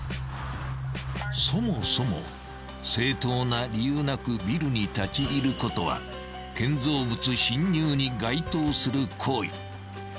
［そもそも正当な理由なくビルに立ち入ることは建造物侵入に該当する行為］